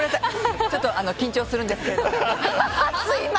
ちょっと緊張するんですけども。